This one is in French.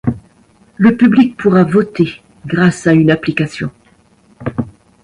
Le public pourra voter grâce à une application.